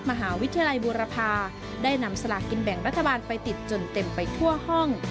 มหาวิทยาลัยบูรพาได้นำสลากินแบ่งรัฐบาลไปติดจนเต็มไปทั่วห้อง